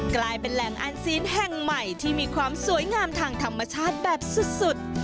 กลายเป็นแหล่งอันซีนแห่งใหม่ที่มีความสวยงามทางธรรมชาติแบบสุด